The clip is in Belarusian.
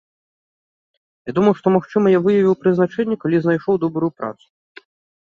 Я думаў, што, магчыма, я выявіў прызначэнне, калі знайшоў добрую працу.